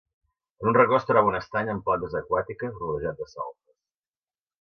En un racó es troba un estany amb plantes aquàtiques, rodejat de salzes.